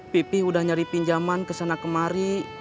pipi udah nyari pinjaman kesana kemari